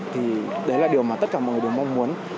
thì đấy là điều mà tất cả mọi người đều mong muốn